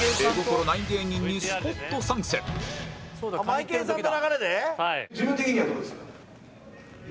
マエケンさんの流れで？